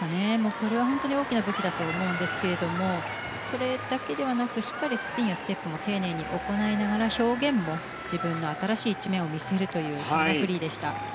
これは本当に大きな武器だと思うんですけれどそれだけではなくしっかりとスピンやステップも丁寧に行いながら、表現も自分の新しい一面を見せるというそんなフリーでした。